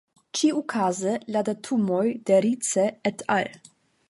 Ĉiukaze, la datumoj de Rice "et al.